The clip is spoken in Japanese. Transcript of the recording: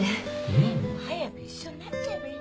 うん。早く一緒になっちゃえばいいのにね。